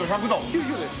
９０度です。